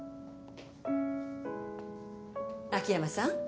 秋山さん。